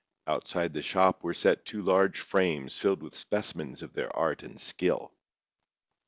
Outside the shop were set two large frames filled with specimens of their art and skill.